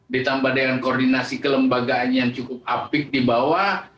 ditambah dengan koordinasi kelembagaan yang cukup apik di bawah